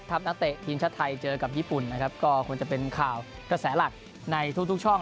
นักเตะทีมชาติไทยเจอกับญี่ปุ่นนะครับก็คงจะเป็นข่าวกระแสหลักในทุกทุกช่อง